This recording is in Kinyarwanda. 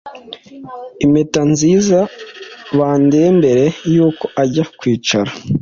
Impeta nziza-bandembere yuko ajya kwicara